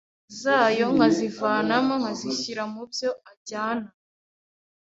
zayo nkazivanamo nkazishyira mu byo ajyana